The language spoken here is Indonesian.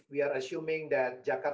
jika kita menganggap